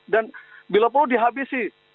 dan bila perlu dihabisi